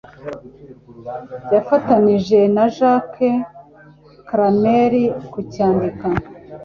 yafatanije na Jack Kramer kucyandika